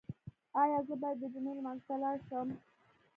ایا زه باید د جمعې لمانځه ته لاړ شم؟